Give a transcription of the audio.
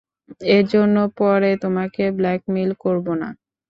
এর জন্য পরে তোমাকে ব্ল্যাকমেইল করব না।